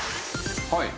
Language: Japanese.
はい。